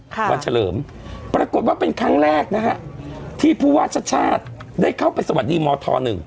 วันเฉลิมปรากฏว่าเป็นครั้งแรกนะฮะที่ผู้ว่าชาติชาติได้เข้าไปสวัสดีมธ๑